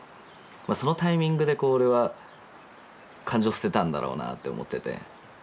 そのタイミングでこう俺は感情捨てたんだろうなって思ってて。